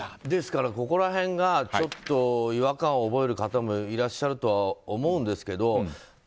ですからここら辺がちょっと違和感を覚える方もいらっしゃるとは思うんですけど。